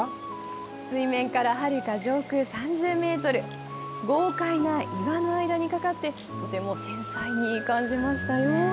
水面からはるか上空３０メートル、豪快な岩の間に架かって、とても繊細に感じましたよ。